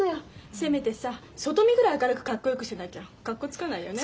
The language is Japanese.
せめてさ外見ぐらい明るく格好よくしてなきゃ格好つかないよね。